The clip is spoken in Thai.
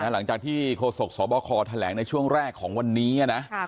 ถ้าหลังจากที่โคโศกสบคแหลงในช่วงแรกของวันนี้ใช่มั้ย